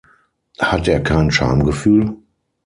Hat er kein Schamgefühl?